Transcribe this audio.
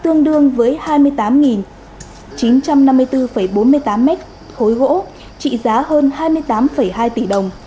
tương đương với hai mươi tám chín trăm năm mươi bốn bốn mươi tám mét khối gỗ trị giá hơn hai mươi tám hai tỷ đồng